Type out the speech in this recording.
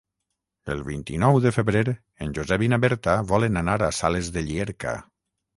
El vint-i-nou de febrer en Josep i na Berta volen anar a Sales de Llierca.